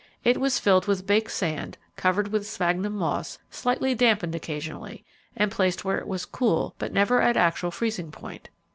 It was filled with baked sand, covered with sphagnum moss, slightly dampened occasionally, and placed where it was cool, but never at actual freezing point.